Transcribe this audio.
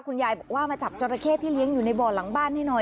คุณยายบอกว่ามาจับจราเข้ที่เลี้ยงอยู่ในบ่อหลังบ้านให้หน่อย